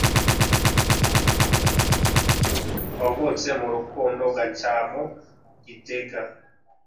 wavutse mu Urukundo Gacyamo Gitega